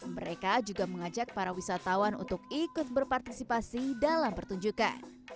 mereka juga mengajak para wisatawan untuk ikut berpartisipasi dalam pertunjukan